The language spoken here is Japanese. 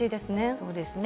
そうですね。